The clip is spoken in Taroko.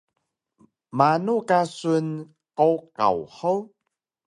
Manu ka sun qowqaw hug?